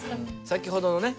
先ほどのね